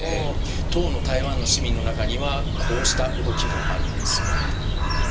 当の台湾の市民の中にはこうした動きもあるんです。